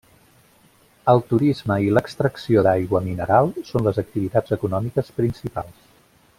El turisme i l'extracció d'aigua mineral són les activitats econòmiques principals.